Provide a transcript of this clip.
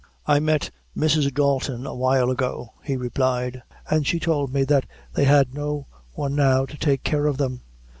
"I met Mrs. Dalton a while ago," he replied, "and she tould me that they had no one now to take care of them.